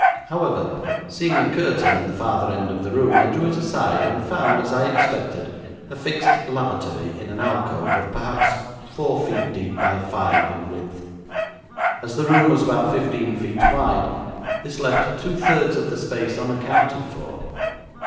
However, seeing a curtain at the farther end of the room, I drew it aside, and found, as I expected, a fixed lavatory in an alcove of perhaps four feet deep by five in width. As the room was about fifteen feet wide, this left two thirds of the space unaccounted for.